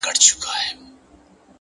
صبر د بریا د رسېدو واټن لنډوي!